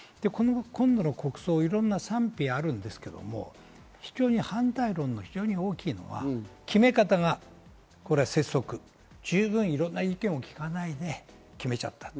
今度の国葬、いろんな賛否がありますが、反対論の非常に大きいのは、決め方が拙速、十分いろんな意見を聞かないで決めちゃった。